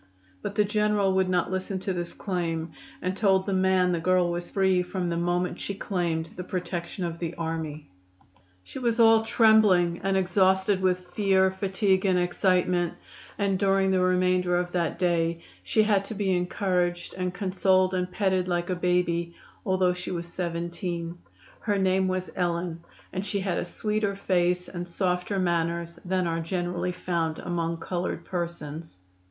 But the General would not listen to this claim, and told the man the girl was free from the moment she claimed the protection of the army. She was all trembling and exhausted with fear, fatigue and excitement, and during the remainder of that day she had to be encouraged and consoled and petted like a baby, although she was 17. Her name was Ellen, and she had a sweeter face and softer manners than are generally found among colored persons.